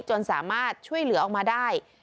จนสามารถช่วยเหลือออกมาได้